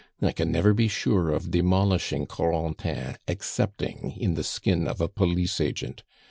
I can never be sure of demolishing Corentin excepting in the skin of a police agent.